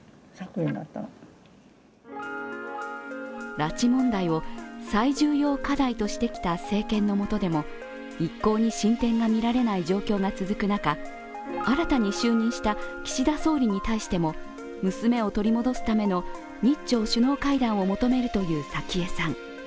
拉致問題を最重要課題としてきた政権の下でも一向に進展が見られない状況が続く中、新たに就任した岸田総理に対しても娘を取り戻すための日朝首脳会談を求めるという早紀江さん。